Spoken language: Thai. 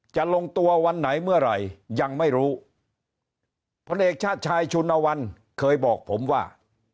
จะลงตัววันไหนเมื่อไหร่ยังไม่รู้พลเอกชาติชายชุนวันเคยบอกผมว่า